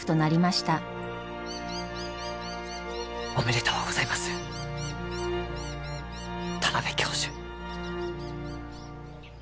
おめでとうございます田邊教授。